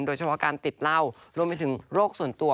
โดยเฉพาะการติดเหล้ารวมไปถึงโรคส่วนตัว